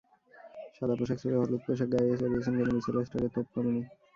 সাদা পোশাক ছেড়ে হলুদ পোশাক গায়ে চড়িয়েছেন, কিন্তু মিচেল স্টার্কের তোপ কমেনি।